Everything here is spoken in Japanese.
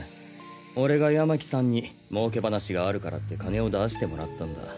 俺が山喜さんにもうけ話があるからって金を出してもらったんだ。